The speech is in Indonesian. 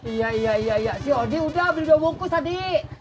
iya iya iya si odi udah beli dua bungkus tadi